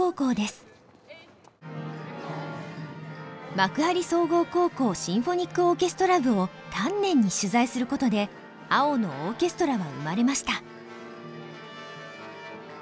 幕張総合高校シンフォニックオーケストラ部を丹念に取材することで「青のオーケストラ」は生まれました。